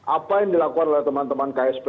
apa yang dilakukan oleh teman teman ksp